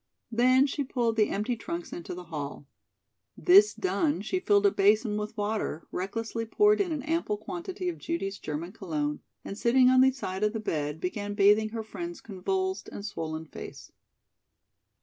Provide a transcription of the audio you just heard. Then she pulled the empty trunks into the hall. This done, she filled a basin with water, recklessly poured in an ample quantity of Judy's German cologne, and sitting on the side of the bed, began bathing her friend's convulsed and swollen face.